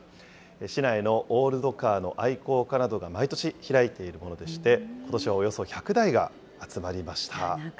市内のオールドカーの愛好家などが毎年開いているものでして、ことしはおよそ１００台が集まりました。